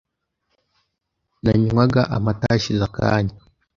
Nanywaga amata hashize akanya .